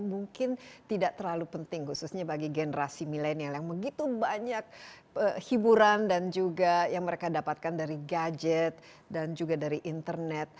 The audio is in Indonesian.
mungkin tidak terlalu penting khususnya bagi generasi milenial yang begitu banyak hiburan dan juga yang mereka dapatkan dari gadget dan juga dari internet